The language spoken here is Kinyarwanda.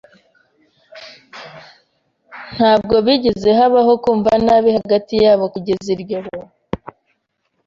Ntabwo bigeze habaho kumva nabi hagati yabo kugeza iryo joro.